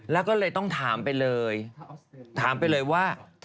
แล้วก็เลยต้องถามไปเลยถามไปเลยว่า